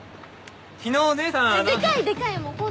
昨日お姉さん。